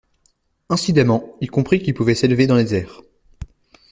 Incidemment il comprit qu’il pouvait s’élever dans les airs.